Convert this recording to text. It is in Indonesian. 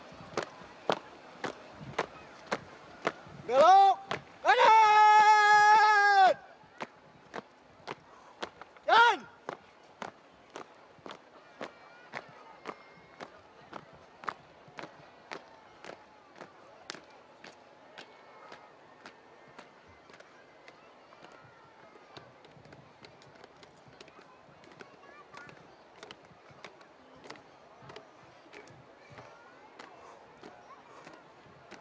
ramai sekali menuhi wilayah monas